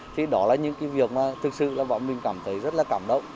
thì đó là những việc mà thực sự bọn mình cảm thấy rất là cảm động